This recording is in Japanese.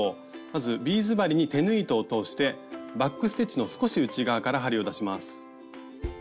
まずビーズ針に手縫い糸を通してバック・ステッチの少し内側から針を出します。